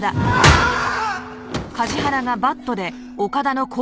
ああーっ！